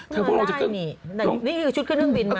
ไม่ได้นี่นี่คือชุดเครื่องบินมา